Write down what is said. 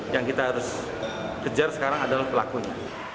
yang kita harus kejar sekarang adalah pelakunya